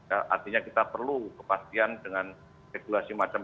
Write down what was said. artinya kita perlu kepastian dengan regulasi macam